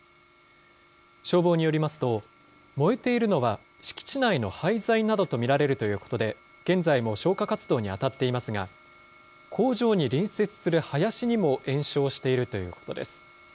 消防によりますと、燃えているのは敷地内の廃材などと見られるということで、現在も消火活動に当たっていますが、工場に隣接する林にも延焼しているということです。